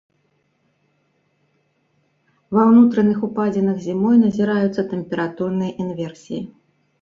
Ва ўнутраных упадзінах зімой назіраюцца тэмпературныя інверсіі.